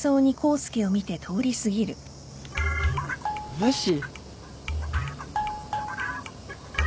無視！？